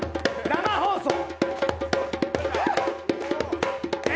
生放送！